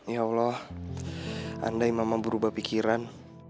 ya allah andai memang berubah pikiran